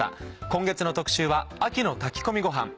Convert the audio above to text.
今月の特集は秋の炊き込みごはん。